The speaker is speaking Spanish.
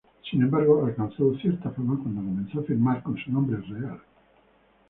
Sin embargo, alcanzó cierta fama cuando comenzó a firmar con su nombre real.